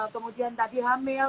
kemudian tadi hamil